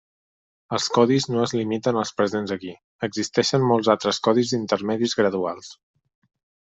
Els codis no es limiten als presents aquí, existeixen molts altres codis intermedis graduals.